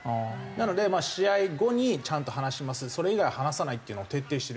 なので試合後にちゃんと話しますそれ以外話さないっていうのを徹底してる。